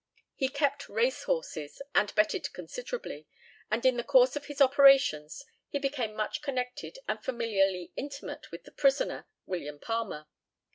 He kept racehorses and betted considerably; and in the course of his operations he became much connected and familiarly intimate with the prisoner William Palmer.